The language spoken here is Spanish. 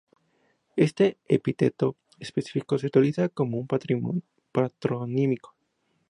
Este epíteto específico se utiliza como un patronímico.